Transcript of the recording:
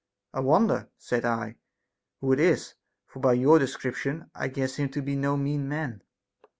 I wonder, said I, who it is, for by your description I guess him to be no mean man.